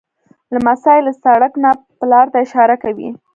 لمسی له سړک نه پلار ته اشاره کوي.